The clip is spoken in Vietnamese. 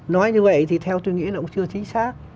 nói như vậy thì theo tôi nghĩ nó cũng chưa chính xác